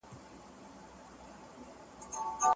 محفل ته خاندې پخپله ژاړې